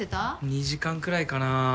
２時間くらいかなぁ？